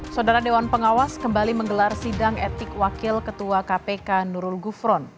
saudara dewan pengawas kembali menggelar sidang etik wakil ketua kpk nurul gufron